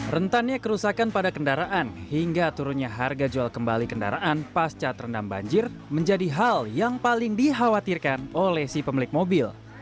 rentannya kerusakan pada kendaraan hingga turunnya harga jual kembali kendaraan pasca terendam banjir menjadi hal yang paling dikhawatirkan oleh si pemilik mobil